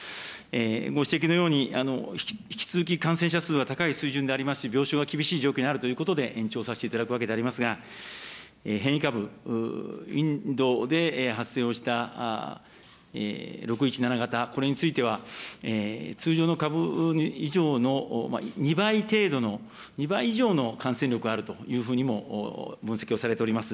ご指摘のように、引き続き感染者数は高い水準でありますし、病床は厳しい状況にあるということで、延長させていただくわけでありますが、変異株、インドで発生をした６１７型、これについては、通常の株以上の、２倍程度の、２倍以上の感染力があるというふうにも分析をされております。